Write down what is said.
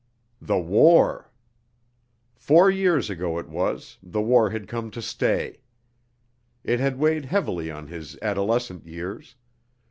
The war! Four years ago it was, the war had come to stay. It had weighed heavily on his adolescent years.